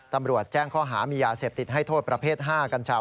ตำรวจแจ้งข้อหามียาเสพติดให้โทษประเภท๕กัญชา